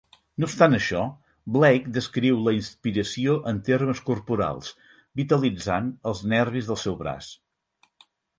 No obstant això, Blake descriu la inspiració en termes corporals, vitalitzant els nervis del seu braç.